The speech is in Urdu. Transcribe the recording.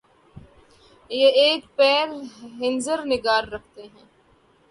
یہ ایک پیر ہنِ زر نگار رکھتے ہیں